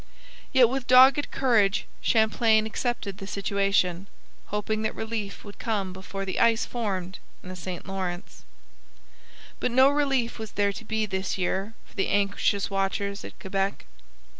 Yet with dogged courage Champlain accepted the situation, hoping that relief would come before the ice formed in the St Lawrence. But no relief was there to be this year for the anxious watchers at Quebec.